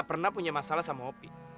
serem amat deh lo